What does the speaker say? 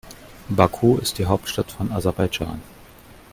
Baku ist die Hauptstadt von Aserbaidschan.